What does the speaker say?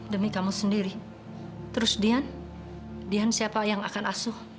demi kamu sendiri terus dian dian siapa yang akan asuh